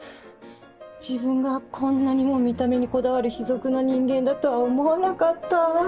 自分がこんなにも見た目にこだわる卑俗な人間だとは思わなかった。